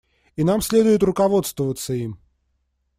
И нам следует руководствоваться им.